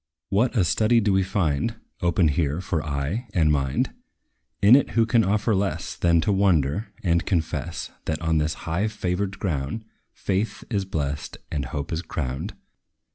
What a study do we find Opened here for eye and mind! In it who can offer less, Than to wonder, and confess, That on this high favored ground, Faith is blest, and hope is crowned.